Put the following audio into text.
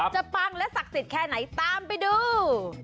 ปังและศักดิ์สิทธิ์แค่ไหนตามไปดู